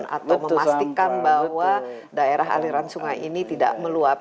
atau memastikan bahwa daerah aliran sungai ini tidak meluap